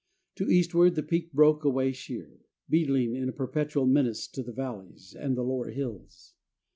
To eastward the peak broke away sheer, beetling in a perpetual menace to the valleys and the lower hills.